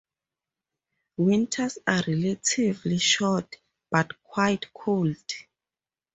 Winters are relatively short, but quite cold.